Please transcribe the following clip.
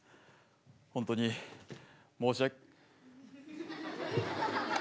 本当に申しわ。